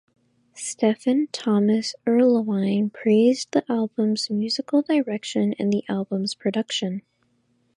Stephen Thomas Erlewine praised the album's musical direction and the album's production.